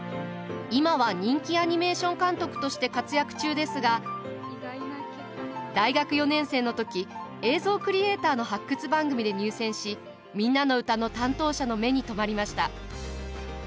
今は人気アニメーション監督として活躍中ですが大学４年生の時映像クリエイターの発掘番組で入選し「みんなのうた」の担当者の目に留まりました。